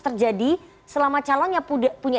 terjadi selama calon yang punya